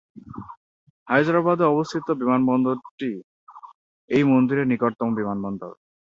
হায়দ্রাবাদে অবস্থিত বিমানবন্দরটি এই মন্দিরের নিকটতম বিমানবন্দর।